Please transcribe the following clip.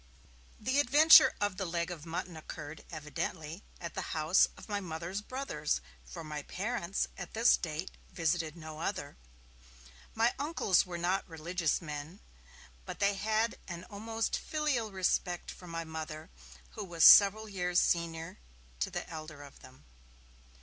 The adventure of the leg of mutton occurred, evidently, at the house of my Mother's brothers, for my parents, at this date, visited no other. My uncles were not religious men, but they had an almost filial respect for my Mother, who was several years senior to the elder of them.